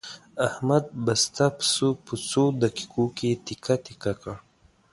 احمد بسته پسه په څو دقیقو کې تکه تکه کړ.